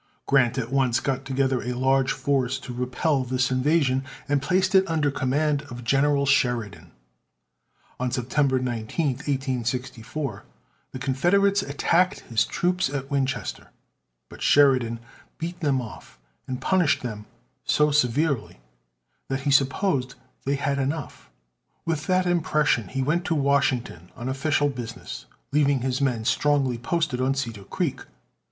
Grant at once got together a large force to repel this invasion, and placed it under command of General Sheridan. On September 19, 1864, the Confederates attacked his troops at Winchester, but Sheridan beat them off and punished them so severely that he supposed they had enough. With that impression, he went to Washington on official business, leaving his men strongly posted on Cedar Creek.